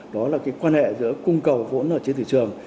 đó là quan hệ giữa cung cầu vốn trên thị trường